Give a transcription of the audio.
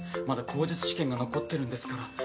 まだ口述試験が残ってるんですから。